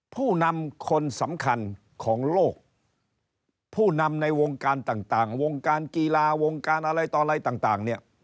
ผู้นำคนสำคัญของโลกผู้นำในวงการต่างวงการกีฬาวงการอะไรต่ออะไรต่างเนี่ย